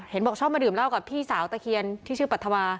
บอกชอบมาดื่มเหล้ากับพี่สาวตะเคียนที่ชื่อปัธวา